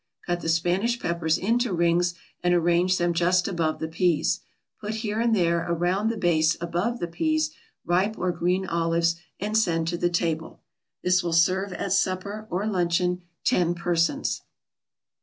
Cut the Spanish peppers into rings and arrange them just above the peas. Put here and there around the base, above the peas, ripe or green olives, and send to the table. This will serve at supper or luncheon ten persons.